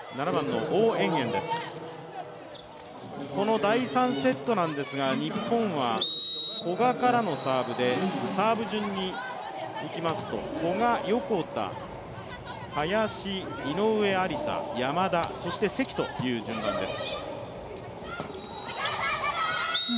この第３セットなんですが、日本は、古賀からのサーブでサーブ順にいきますと古賀、横田、林、井上愛里沙、山田、関という順番です。